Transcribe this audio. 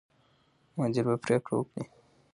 مدیر به پرېکړه وکړي.